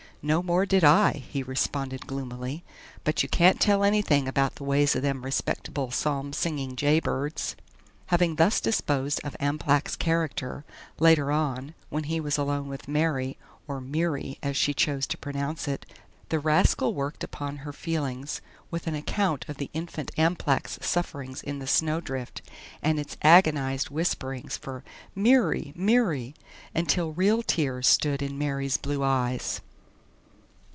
"No more did I," he responded gloomily, "but you can't tell anything about the ways o' them respectable, psalm singing jay birds." Having thus disposed of Amplach's character, later on, when he was alone with Mary, or "Meary," as she chose to pronounce it, the rascal worked upon her feelings with an account of the infant Amplach's sufferings in the snowdrift and its agonized whisperings for "Meary! Meary!" until real tears stood in Mary's blue eyes.